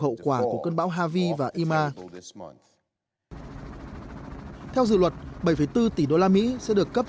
hậu quả của cơn bão havi và ima theo dự luật bảy bốn tỷ đô la mỹ sẽ được cấp